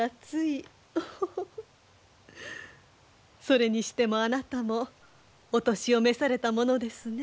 それにしてもあなたもお年を召されたものですね。